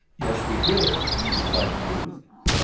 "Yes we did," replied the youth.